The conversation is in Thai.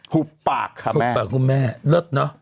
หุบปากครับหุบปากคุณแม่เลิศเนอะ